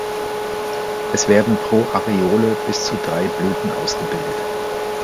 Es werden pro Areole bis zu drei Blüten ausgebildet.